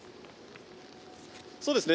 そうですね。